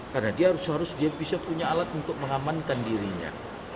karena dia harus harus dia bisa punya alat untuk mengamankan dirinya